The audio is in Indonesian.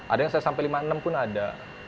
ada yang sampai lima enam pun ada